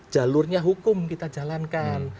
jalurnya hukum kita jalankan